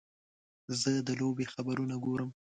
زه د لوبې خبرونه ګورم.